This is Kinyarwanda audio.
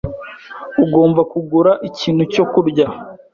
Ugomba kugura ikintu cyo kurya.